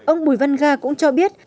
ông bùi văn ga cũng cho biết